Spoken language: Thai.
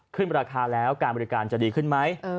ขึ้นราคาแล้วการบริการจะดีขึ้นไหม